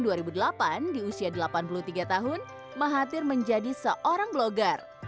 tahun dua ribu delapan di usia delapan puluh tiga tahun mahathir menjadi seorang blogger